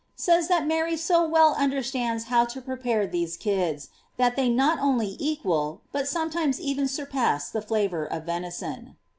1*0 fays, that Mary so well understands Low to pre pare these kids, that they not only equal, but sometimes even surpass the flavor of venison.